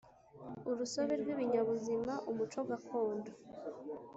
Urusobe rw ibinyabuzima umuco gakondo